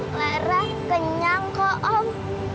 lara kenyang kok om